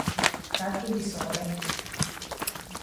Raggio di sole